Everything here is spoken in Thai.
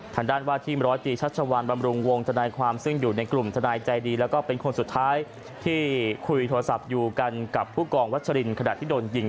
ทางด้านว่าทีมร้อยตีชัชวัลบำรุงวงธนายความซึ่งอยู่ในกลุ่มทนายใจดีแล้วก็เป็นคนสุดท้ายที่คุยโทรศัพท์อยู่กันกับผู้กองวัชรินขณะที่โดนยิง